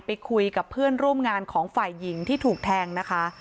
ไปคุยกับเพื่อนร่วมงานของฝ่ายหญิงที่ถูกแทงนะคะ